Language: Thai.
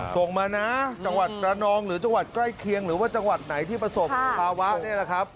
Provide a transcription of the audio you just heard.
ส่งมานะจังหวัดระนองหรือจังหวัดใกล้เคียงหรือว่าจังหวัดไหนที่ประสบภาวะนี่แหละครับ